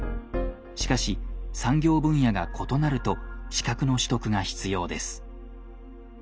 しかし産業分野が異なると資格の取得が必要です。